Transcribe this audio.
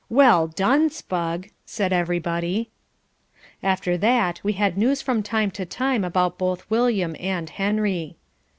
"Well done, Spugg," said everybody. After that we had news from time to time about both William and Henry.